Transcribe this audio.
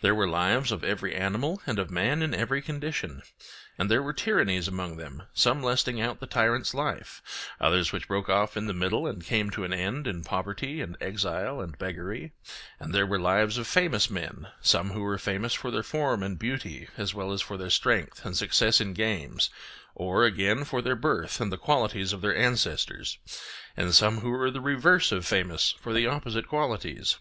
There were lives of every animal and of man in every condition. And there were tyrannies among them, some lasting out the tyrant's life, others which broke off in the middle and came to an end in poverty and exile and beggary; and there were lives of famous men, some who were famous for their form and beauty as well as for their strength and success in games, or, again, for their birth and the qualities of their ancestors; and some who were the reverse of famous for the opposite qualities.